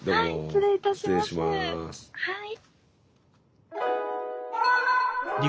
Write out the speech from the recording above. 失礼いたしますはい。